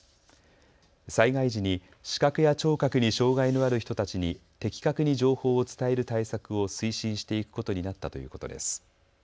災害時に視覚や聴覚に障害のある人たちに的確に情報を伝える対策を推進していくことになったということです。